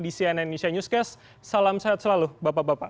di cnn indonesia newscast salam sehat selalu bapak bapak